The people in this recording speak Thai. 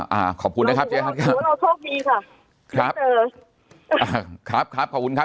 ครับขอบคุณครับเจฮัตครับขอบคุณครับ